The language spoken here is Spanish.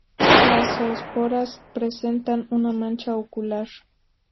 Las zoosporas presentan una mancha ocular.